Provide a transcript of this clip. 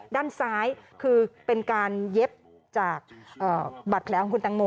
ด้านซ้ายคือเป็นการเย็บจากบัตรแผลของคุณตังโม